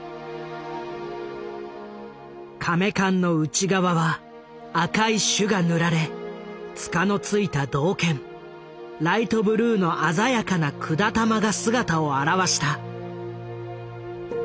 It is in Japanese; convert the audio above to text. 甕棺の内側は赤い朱が塗られ柄の付いた銅剣ライトブルーの鮮やかな管玉が姿を現した。